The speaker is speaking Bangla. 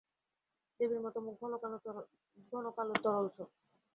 দেবীর মতো মুখ ঘন কালো তরল চোখ।